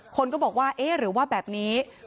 คนบอกว่าหรือแบบนี้คือเททิ้งน้ำไปแหละ